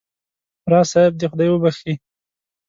راز صاحب دې خدای وبخښي.